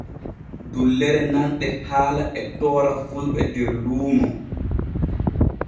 Dullere nanɗe haala e toora fulɓe der luuno.